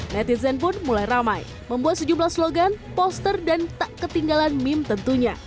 netizen pun mulai ramai membuat sejumlah slogan poster dan tak ketinggalan meme tentunya